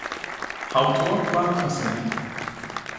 Hauptort war Cossonay.